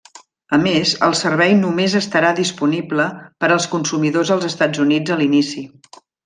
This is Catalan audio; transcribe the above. A més, el servei només estarà disponible per als consumidors als Estats Units a l'inici.